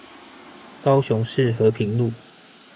高雄市和平路